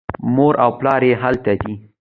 مور او پلار یې هلته دي.